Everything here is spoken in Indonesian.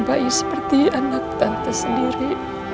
bayi seperti anak tante sendiri